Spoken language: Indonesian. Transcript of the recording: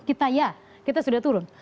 kita ya kita sudah turun